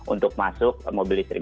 untuk masuk mobil listrik